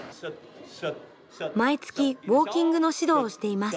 毎月ウォーキングの指導をしています。